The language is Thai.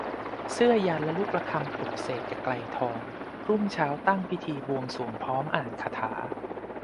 เสื้อยันต์และลูกประคำปลุกเสก แก่ไกรทอง รุ่งเช้าตั้งพิธีบวงสรวงพร้อมอ่านคาถา